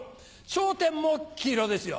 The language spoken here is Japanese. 『笑点』も黄色ですよ。